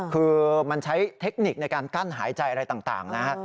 คือมันใช้เทคนิคในการกั้นหายใจอะไรต่างนะฮะ